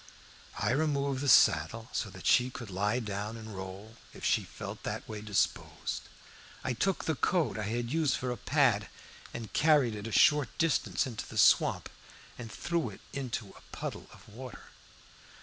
I removed the saddle so that she could lie down and roll, if she felt that way disposed. I took the coat I had used for a pad, and carried it a short distance into the swamp and threw it into a puddle of water.